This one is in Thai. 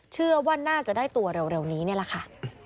เชื่อว่าน่าจะได้ตัวเร็วนี้นี่แหละค่ะ